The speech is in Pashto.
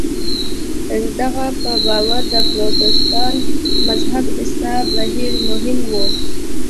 د هغه په باور د پروتستان مذهب اصلاح بهیر مهم و.